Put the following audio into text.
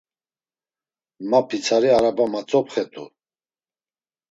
Ma pitsari araba matzopxet̆u.